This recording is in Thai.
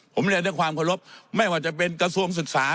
ผมเรียนด้วยความเคารพไม่ว่าจะเป็นกระทรวงศึกษา